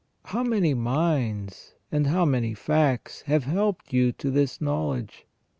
How many minds, and how many facts, have helped you to this knowledge